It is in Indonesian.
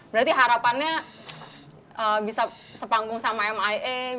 berarti harapannya bisa sepanggung sama m i a